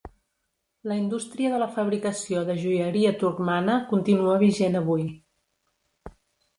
La indústria de la fabricació de joieria turcmana continua vigent avui.